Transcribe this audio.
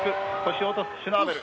腰を落とすシュナーベル。